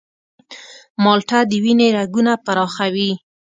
مالټه د وینې رګونه پراخوي.